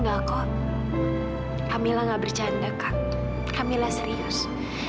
enggak kok kamilah gak bercanda kan kamilah serius